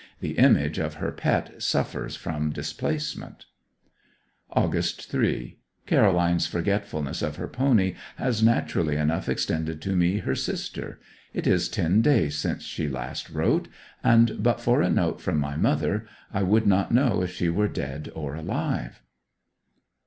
The image of her pet suffers from displacement. August 3. Caroline's forgetfulness of her pony has naturally enough extended to me, her sister. It is ten days since she last wrote, and but for a note from my mother I should not know if she were dead or alive.